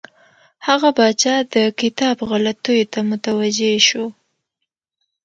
هغه پاچا د کتاب غلطیو ته متوجه شو.